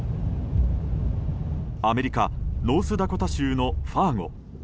アメリカ・ノースダコタ州のファーゴ。